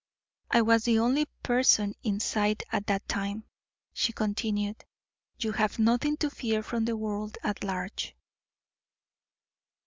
"I was the only person in sight at that time," she continued. "You have nothing to fear from the world at large."